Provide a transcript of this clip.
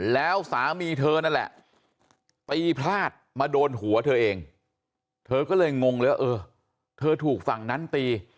แล้วสามีเธอนั่นแหละตีพลาดมาโดนหัวเธอเองเธอก็เลยงงเลยว่าเออเธอถูกฝั่งนั้นตี